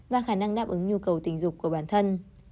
và khả năng đáp ứng nhu cầu tình dục của bản thân